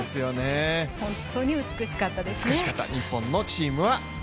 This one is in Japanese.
本当に美しかったですね。